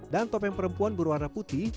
dan topeng perempuan berwarna putih